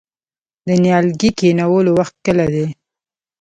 د نیالګي کینولو وخت کله دی؟